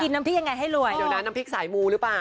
น้ำพริกยังไงให้รวยเดี๋ยวนะน้ำพริกสายมูหรือเปล่า